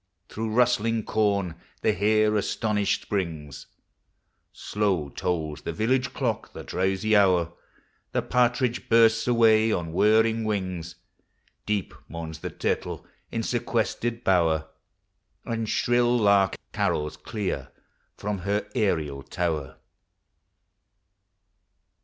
43 Through rustling corn the hare astonished springs; Slow tolls the village clock the drowsy hour; The partridge bursts away on whirring wings; Deep mourns the turtle in sequestered bower, And shrill lark carols clear from her aerial tower.